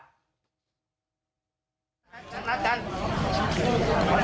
จัดรับจัดตอนนี้ครับตอนนี้ครับเสร็จ